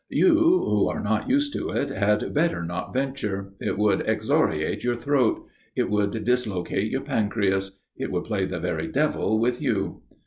You, who are not used to it, had better not venture. It would excoriate your throat. It would dislocate your pancreas. It would play the very devil with you.